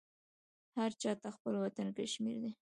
هرچاته خپل وطن کشمیردی